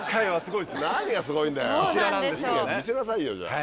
いいから見せなさいよじゃあ。